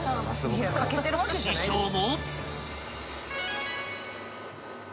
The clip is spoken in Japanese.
［師匠も］